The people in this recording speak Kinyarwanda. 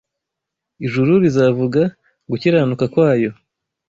Ijuru rizavuga gukiranuka kwayo